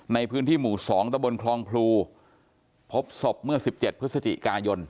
ในพื้นที่หมู่สองตะบนคลองพลูพบศพเมื่อสิบเจ็ดพฤษฎีกายน